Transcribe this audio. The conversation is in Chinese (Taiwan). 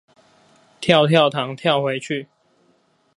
跳跳糖跳回去